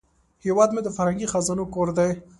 هیواد مې د فرهنګي خزانو کور دی